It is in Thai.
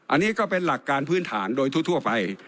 อันนี้ก็เป็นหลักการพื้นฐานโดยทั่วไป